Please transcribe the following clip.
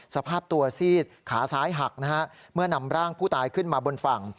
สภาพตัวซีดขาซ้ายหักนะฮะเมื่อนำร่างผู้ตายขึ้นมาบนฝั่ง